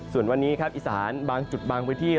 ส่วนวันนี้ครับอีสานบางจุดบางพื้นที่